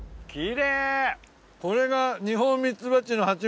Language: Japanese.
これが。